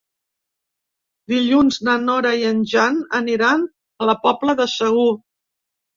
Dilluns na Nora i en Jan aniran a la Pobla de Segur.